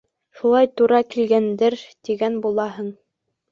Шулай тура килгәндер, тигән булаһың.